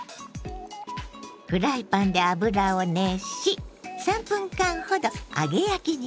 フライパンで油を熱し３分間ほど揚げ焼きにします。